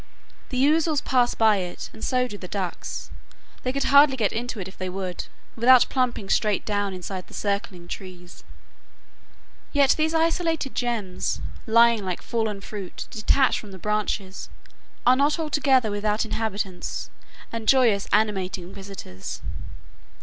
The ouzels pass it by, and so do the ducks; they could hardly get into it if they would, without plumping straight down inside the circling trees. Yet these isolated gems, lying like fallen fruit detached from the branches, are not altogether without inhabitants and joyous, animating visitors.